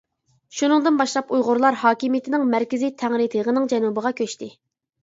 شۇنىڭدىن باشلاپ ئۇيغۇرلار ھاكىمىيىتىنىڭ مەركىزى تەڭرى تېغىنىڭ جەنۇبىغا كۆچتى.